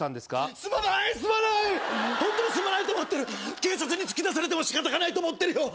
すまないすまないホントにすまないと思ってる警察に突き出されても仕方がないと思ってるよ